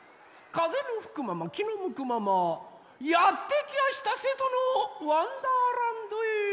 かぜのふくままきのむくままやってきやした瀬戸の「わんだーらんど」へ。